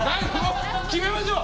決めましょう！